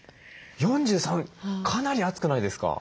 かなり熱くないですか？